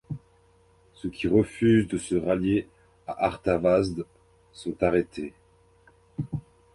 Ceux qui refusent de se rallier à Artavasde sont arrêtés.